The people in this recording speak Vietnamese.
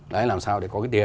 đấy làm sao để có cái tiền